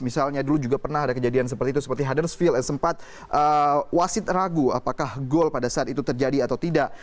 misalnya dulu juga pernah ada kejadian seperti itu seperti hothersfield sempat wasit ragu apakah gol pada saat itu terjadi atau tidak